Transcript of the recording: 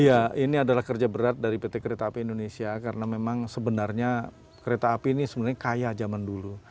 iya ini adalah kerja berat dari pt kereta api indonesia karena memang sebenarnya kereta api ini sebenarnya kaya zaman dulu